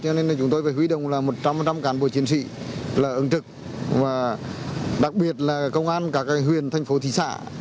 cho nên chúng tôi phải huy động một trăm linh cán bộ chiến sĩ ứng trực đặc biệt là công an các huyện thành phố thị xã